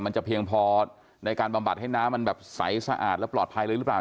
มันจะเพียงพอในการบำบัดให้น้ำมันแบบใสสะอาดและปลอดภัยเลยหรือเปล่า